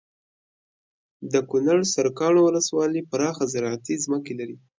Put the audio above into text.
دکنړ سرکاڼو ولسوالي پراخه زراعتي ځمکې لري